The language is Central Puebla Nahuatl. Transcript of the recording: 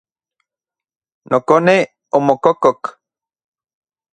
Nokone omokokok.